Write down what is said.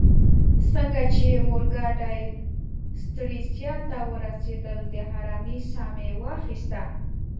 څنګه چي اورګاډې سټریسا ته ورسیدل، د آرامۍ ساه مې واخیسته.